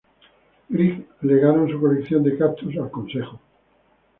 Grieg legaron su colección de cactus al consejo.